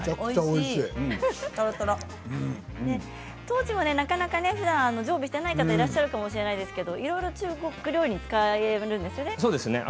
豆鼓もなかなかふだん常備していない方いらっしゃるかもしれませんがいろいろ中国料理に使えるんですよね。